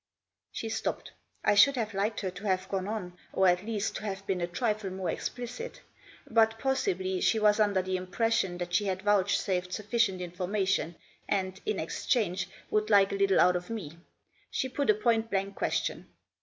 She stopped. I should have liked her to have gone on ; or, at least, to have been a trifle more explicit. But, possibly, she was under the impression that she had vouchsafed sufficient information, and, in ex change, would like a little out of me. She put a point blank question.